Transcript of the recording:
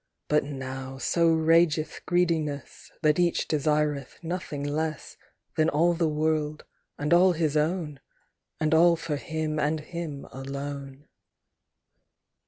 But now so rageth greediness That each desireth nothing less Than all the world, and all his own; And all for him and him alone.